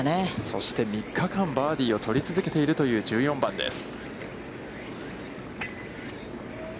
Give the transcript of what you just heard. そして３日間、バーディーを取り続けているという１４番です。